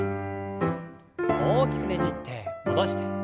大きくねじって戻して。